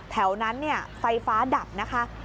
แถวนั้นไฟฟ้าดับนะคะ